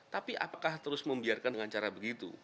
tapi apakah terus membiarkan dengan cara begitu